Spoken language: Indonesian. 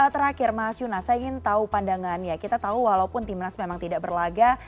terakhir mas yuna saya ingin tahu pandangannya kita tahu walaupun timnas memang tidak berlaga